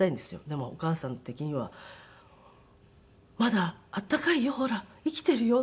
でもお母さん的には「まだ温かいよ。ほら生きてるよ」